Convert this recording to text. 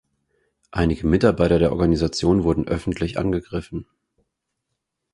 Einige Mitarbeiter der Organisation wurden öffentlich angegriffen.